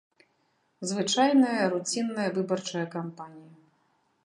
Звычайная, руцінная выбарчая кампанія.